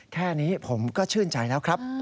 แค่นี้ผมก็ชื่นใจแล้วครับ